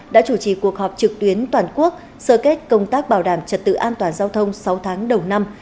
đã chủ trì cuộc họp trực tuyến toàn quốc sơ kết công tác bảo đảm trật tự an toàn giao thông sáu tháng đầu năm